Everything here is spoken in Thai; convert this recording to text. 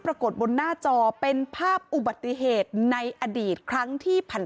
ปรากฏบนหน้าจอเป็นภาพอุบัติเหตุในอดีตครั้งที่ผ่าน